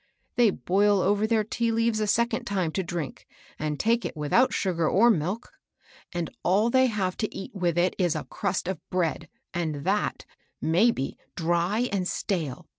They boil over their tea leaves a second time to drink, and take it without sugar or milk ; and all they have to eat with it is a crust of bread, and that, maybe, dry and stale.